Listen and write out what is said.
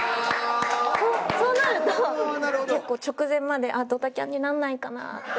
そうなると結構直前までドタキャンにならないかなって。